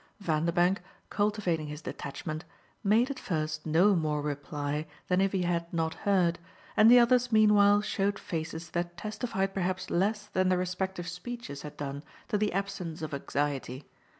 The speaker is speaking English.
Vanderbank, cultivating his detachment, made at first no more reply than if he had not heard, and the others meanwhile showed faces that testified perhaps less than their respective speeches had done to the absence of anxiety.